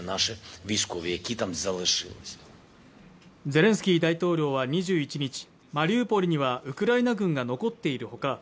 ゼレンスキー大統領は２１日マリウポリにはウクライナ軍が残っているほか